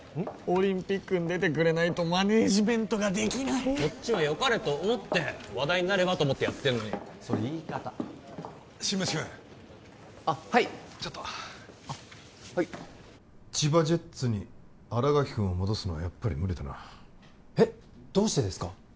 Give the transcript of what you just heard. オリンピックに出てくれないとマネージメントができないこっちはよかれと思って話題になればと思ってやってるのにそれ言い方新町君あっはいちょっとあっはい千葉ジェッツに新垣君を戻すのはやっぱり無理だなえっどうしてですか？